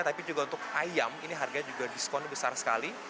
tapi juga untuk ayam ini harganya juga diskon besar sekali